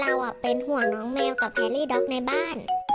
เราเป็นห่วงน้องแมวกับแฮรี่ด๊อกในบ้าน